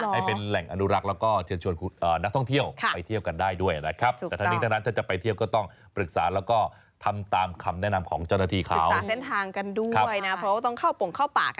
ให้เป็นแหล่งอนุรักษ์แล้วก็เชิญชวนนักท่องเที่ยวไปเที่ยวกันได้ด้วยนะครับ